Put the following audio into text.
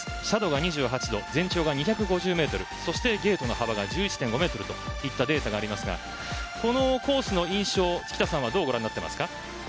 斜度は２７度、全長２５０ｍゲートの幅が１１．５ｍといったデータがありますがこのコースの印象、附田さんはどうご覧になっていますか。